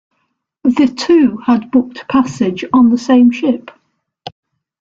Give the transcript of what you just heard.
The two had booked passage on the same ship.